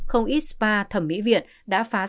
không ít spa thẩm mỹ viện đã phản biệt